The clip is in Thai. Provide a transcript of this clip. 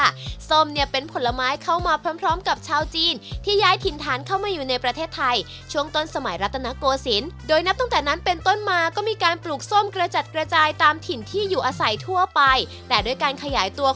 ส้มเนี่ยเป็นผลไม้เข้ามาพร้อมพร้อมกับชาวจีนที่ย้ายถิ่นฐานเข้ามาอยู่ในประเทศไทยช่วงต้นสมัยรัตนโกศิลป์โดยนับตั้งแต่นั้นเป็นต้นมาก็มีการปลูกส้มกระจัดกระจายตามถิ่นที่อยู่อาศัยทั่วไปแต่ด้วยการขยายตัว